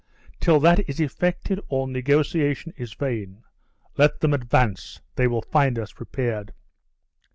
Till that is effected, all negotiation is vain. Let them advance; they will find us prepared."